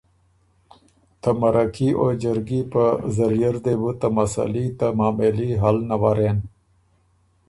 ته مرکي او جرګي په ذریعه ر دې بُو ته مسئلي ته معامېلي حل نَورېن۔